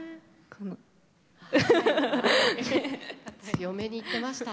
強めにいってました。